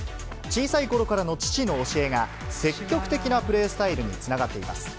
小さいころからの父の教えが、積極的なプレースタイルにつながっています。